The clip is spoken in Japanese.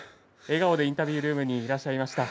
笑顔でインタビュールームにいらっしゃいました。